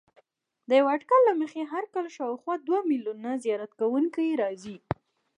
د یوه اټکل له مخې هر کال شاوخوا دوه میلیونه زیارت کوونکي راځي.